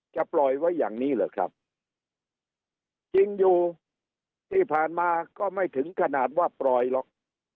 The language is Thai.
ปล่อยไว้อย่างนี้เหรอครับจริงอยู่ที่ผ่านมาก็ไม่ถึงขนาดว่าปล่อยหรอก